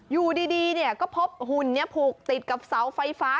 อยู่ดีก็พบหุ่นนี้ผูกติดกับเสาไฟฟ้า